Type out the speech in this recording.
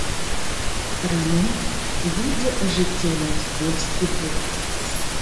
Рамонт будзе ажыццяўляць польскі бок.